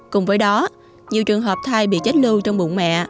cùng với đó nhiều trường hợp thai bị chết lưu trong bụng mẹ